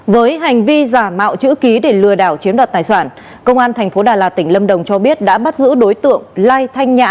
với hành vi giả mạo chữ ký để lừa đảo chiếm đoạt tài sản công an tp đà lạt tỉnh lâm đồng cho biết đã bắt giữ đối tượng lai thanh nhã